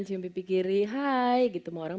cium pipi kiri hai gitu mau orang